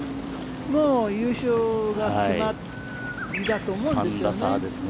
もう優勝は決まりだと思うんですよね。